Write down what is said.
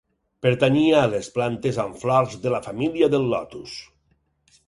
Pertanyia a les plantes amb flors de la família del lotus.